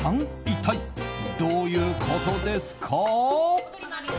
一体、どういうことですか？